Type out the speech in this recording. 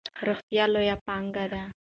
روغتیا لویه پانګه ده.